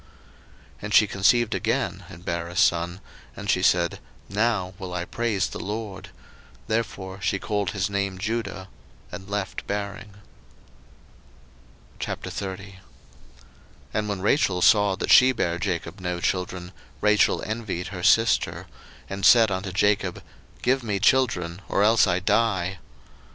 01:029:035 And she conceived again, and bare a son: and she said, Now will I praise the LORD: therefore she called his name Judah; and left bearing. 01:030:001 And when Rachel saw that she bare Jacob no children, Rachel envied her sister; and said unto Jacob, Give me children, or else I die.